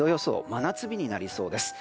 真夏日になりそうです。